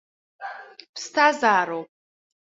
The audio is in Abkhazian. Ԥсҭазаароуп.